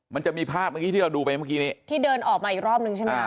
มันจะมีภาพที่เราดูไปเมื่อกี้นี้ที่เดินออกมาอีกรอบนึงใช่มั้ย